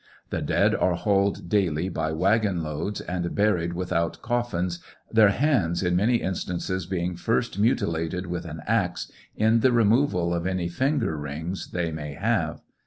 The dead are hauled daily by wagon loads and buried with out'coffing, their hands in many instances being first mutilated with an axe in the removal of any finger rings they may have.